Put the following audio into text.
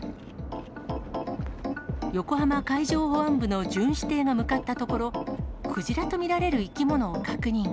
横浜海上保安部の巡視艇が向かったところ、クジラと見られる生き物を確認。